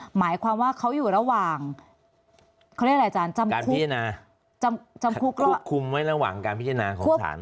หมายความว่าเขาอยู่ระหว่างเขาเรียกอะไรอาจารย์จำคุกไว้ระหว่างการพิจารณาของศาล